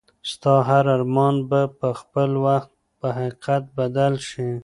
ستا هر ارمان به په خپل وخت په حقیقت بدل شي.